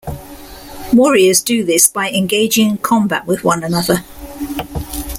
Warriors do this by engaging in combat with one another.